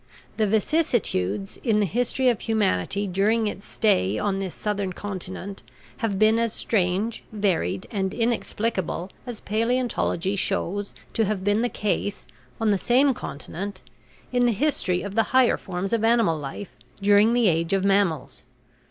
The vicissitudes in the history of humanity during its stay on this southern continent have been as strange, varied, and inexplicable as paleontology shows to have been the case, on the same continent, in the history of the higher forms of animal life during the age of mammals.